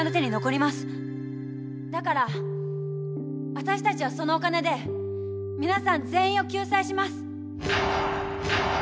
だからわたしたちはそのお金で皆さん全員を救済します。